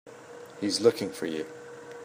He's looking for you.